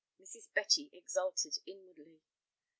Mrs. Betty exulted inwardly.